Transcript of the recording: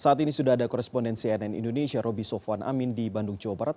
saat ini sudah ada korespondensi nn indonesia roby sofwan amin di bandung jawa barat